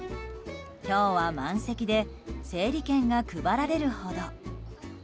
今日は満席で整理券が配られるほど。